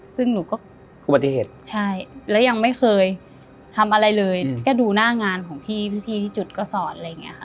ซึ่งหนูก็อุบัติเหตุใช่แล้วยังไม่เคยทำอะไรเลยก็ดูหน้างานของพี่พี่ที่จุดก็สอนอะไรอย่างนี้ค่ะ